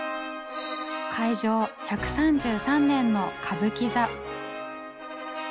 開場１３３年の歌舞伎座。